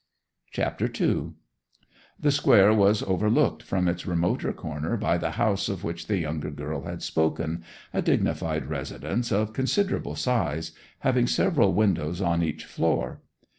CHAPTER II The square was overlooked from its remoter corner by the house of which the young girl had spoken, a dignified residence of considerable size, having several windows on each floor.